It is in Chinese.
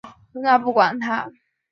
真三国广告。